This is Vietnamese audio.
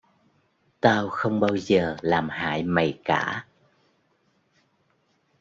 tao không bao giờ làm hại mày cả